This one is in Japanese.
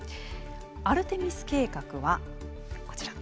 アルテミス計画はこちら。